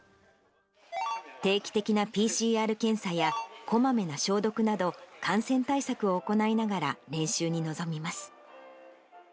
定期的なＰＣＲ検査やこまめな消毒など、感染対策を行いながら、練習に臨みます。